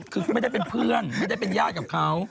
คือไม่ได้เป็นเพื่อนไม่ได้เป็นญาติกับเขา